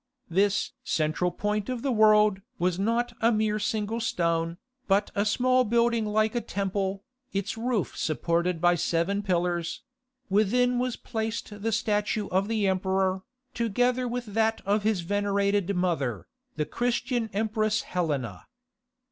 This "central point of the world" was not a mere single stone, but a small building like a temple, its roof supported by seven pillars; within was placed the statue of the emperor, together with that of his venerated mother, the Christian Empress Helena.